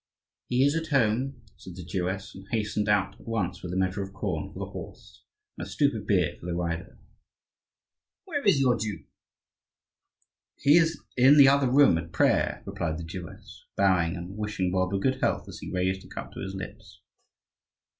"He is at home," said the Jewess, and hastened out at once with a measure of corn for the horse, and a stoup of beer for the rider. "Where is your Jew?" "He is in the other room at prayer," replied the Jewess, bowing and wishing Bulba good health as he raised the cup to his lips.